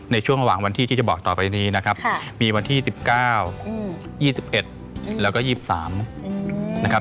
ในช่วงระหว่างวันที่ที่จะบอกต่อไปนี้นะครับมีวันที่๑๙๒๑แล้วก็๒๓นะครับ